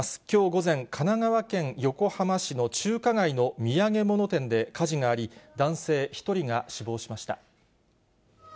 きょう午前、神奈川県横浜市の中華街の土産物店で火事があり、男性１人が死亡しました。